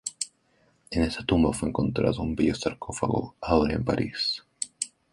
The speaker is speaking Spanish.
En esta tumba fue encontrado un bello sarcófago, ahora en París.